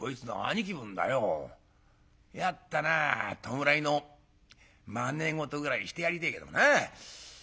弱ったな弔いのまね事ぐらいしてやりてえけどな。